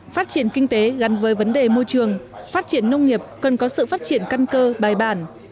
phát triển kinh tế gắn với vấn đề môi trường phát triển nông nghiệp cần có sự phát triển căn cơ bài bản